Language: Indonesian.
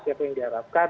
siapa yang diharapkan